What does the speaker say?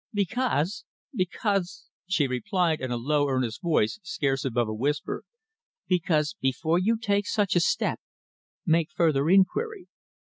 "Because because," she replied in a low, earnest voice, scarce above a whisper, "because, before you take such a step make further inquiry."